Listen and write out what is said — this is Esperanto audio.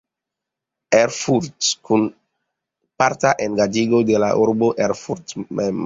Erfurt" kun parta engaĝiĝo de la urbo Erfurto mem.